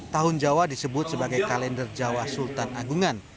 tahun jawa disebut sebagai kalender jawa sultan agungan